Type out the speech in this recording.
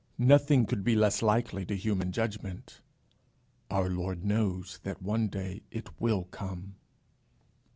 Nothing could be less likely to human judgment: our Lord knows that one day it will come.